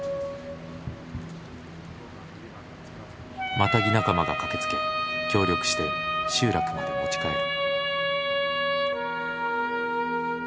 マタギ仲間が駆けつけ協力して集落まで持ち帰る。